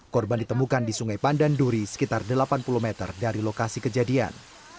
korban ditemukan di sungai pandan duri sekitar delapan puluh meter dari lokasi kejadian